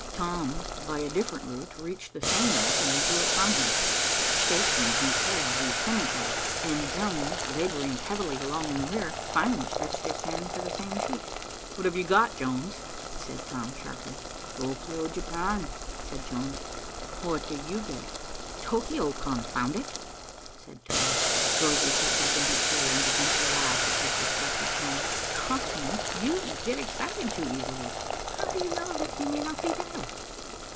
Tom, by a different route, reached the same map and drew it from her, shaking his head vehemently, and Jones, laboring heavily along in the rear, finally stretched his hand for the same sheet. "What have you got, Jones?" said Tom sharply. "Tokio, Japan," said Jones. "What do you get?" "Tokio, confound it!" said Tom. Dorothy sat back in her chair and began to laugh at his disgusted tone. "Tom, you get excited too easily. How do you know that he may not be there!"